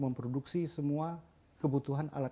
memproduksi semua kebutuhan alat